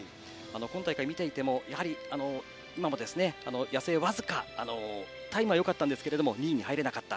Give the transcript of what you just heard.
今大会見ていても、今も安江、僅かにタイムはよかったんですが２位に入れなかった。